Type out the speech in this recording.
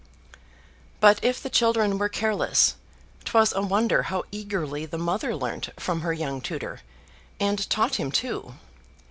But if the children were careless, 'twas a wonder how eagerly the mother learnt from her young tutor and taught him too.